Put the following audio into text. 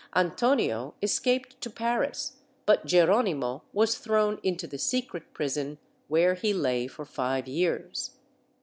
Antonio escaped to Paris but Geronimo was thrown into the secret prison, where he lay for five years.